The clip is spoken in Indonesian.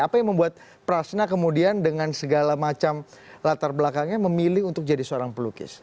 apa yang membuat prasna kemudian dengan segala macam latar belakangnya memilih untuk jadi seorang pelukis